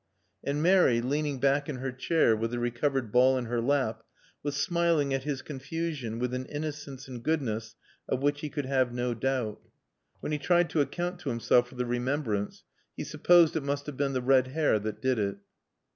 And Mary, leaning back in her chair with the recovered ball in her lap, was smiling at his confusion with an innocence and goodness of which he could have no doubt. When he tried to account to himself for the remembrance he supposed it must have been the red hair that did it.